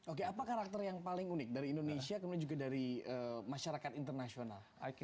oke apa karakter yang paling unik dari indonesia kemudian juga dari masyarakat internasional